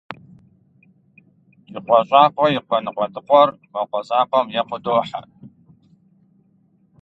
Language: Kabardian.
Джыкъуэ щӏакъуэ и къуэ ныкъуэдыкъуэр мо къуэ закъуэм екъуу дохьэр.